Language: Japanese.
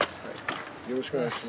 よろしくお願いします。